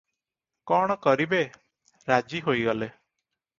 କଣ କରିବେ, ରାଜି ହୋଇଗଲେ ।